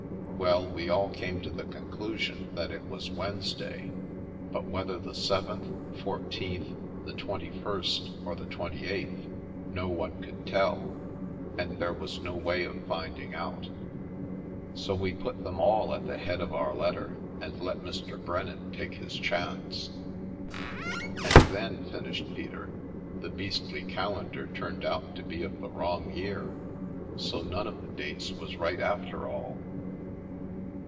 Well, we all came to the conclusion it was Wednesday, but whether the 7th, 14th, the 21st or the 28th, no one 293 The Milky Way could tell, and there was no way of finding out. So we put them all at the head of our letter, and let Mr. Bren nan take his chance." " And then," finished Peter, " the beastly calendar turned out to be of the wrong year, so none of the dates was right, after all."